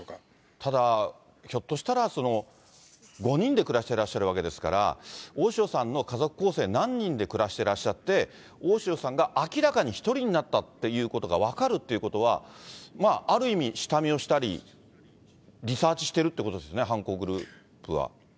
ただ、ひょっとしたら、５人で暮らしてらっしゃるわけですから、大塩さんの家族構成、何人で暮らしてらっしゃって、大塩さんが明らかに１人になったっていうことが分かるっていうことは、まあある意味、下見をしたり、リサーチしてるってことですね、犯行グループは。